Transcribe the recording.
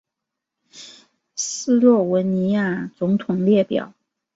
斯洛文尼亚总统列表